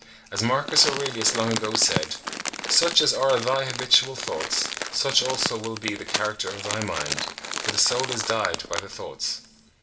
As Marcus Aurelius long ago said, "Such as are thy habitual thoughts, such also will be the character of thy mind; for the soul is dyed by the thoughts."